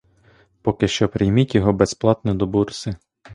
Поки що прийміть його безплатно до бурси.